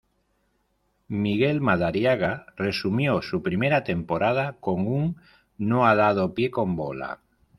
Miguel Madariaga resumió su primera temporada con un "no ha dado pie con bola".